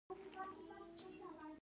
هلک د زړورتیا یو سمبول دی.